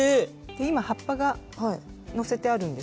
今葉っぱがのせてあるんですけれども。